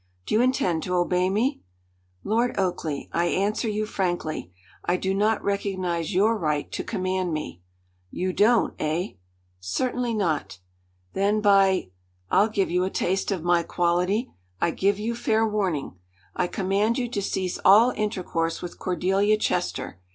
Do you intend to obey me?" "Lord Oakleigh, I answer you frankly I do not recognize your right to command me." "You don't, eh?" "Certainly not." "Then, by ! I'll give you a taste of my quality. I give you fair warning. I command you to cease all intercourse with Cordelia Chester!